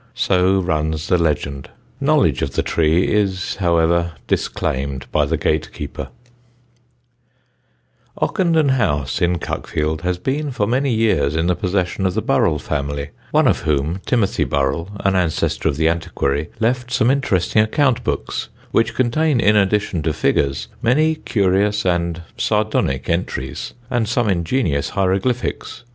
So runs the legend. Knowledge of the tree is, however, disclaimed by the gatekeeper. [Illustration: Cuckfield Church.] [Sidenote: THE COACHMAN'S PLANS] Ockenden House, in Cuckfield, has been for many years in the possession of the Burrell family, one of whom, Timothy Burrell, an ancestor of the antiquary, left some interesting account books, which contain in addition to figures many curious and sardonic entries and some ingenious hieroglyphics.